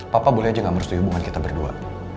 papa boleh aja gak merestui hubungan kita berdua